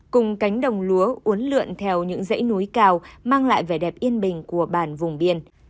cùng cánh đồng lúa uốn lượn theo những dãy núi cao mang lại vẻ đẹp yên bình của bản vùng biên